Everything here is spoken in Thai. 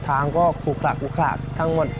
ทางก็คลุกขลักทั้งหมด